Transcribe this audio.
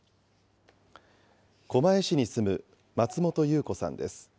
狛江市に住む松本裕子さんです。